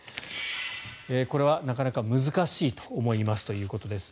これはなかなか難しいと思いますということです。